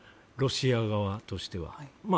ロシア側としては。